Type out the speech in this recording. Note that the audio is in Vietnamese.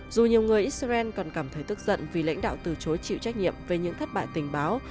dù nhiều người israel còn cảm thấy tức giận vì lãnh đạo từ chối chịu trách nhiệm về những thất bại tình báo